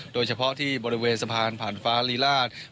โดยเฉพาะที่บริเวณสะพานผ่านฟ้าลีราช